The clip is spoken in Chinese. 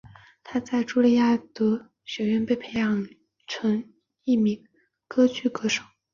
她在朱利亚德学校被培养成为一名歌剧歌手。